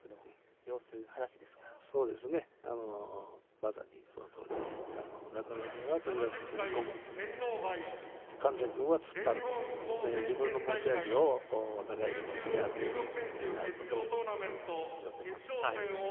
まさに、そのとおりで中村君はとにかく踏み込んで神崎君は突っ張る自分の持ち味をお互いにぶつけ合っていく相撲になることを祈っています。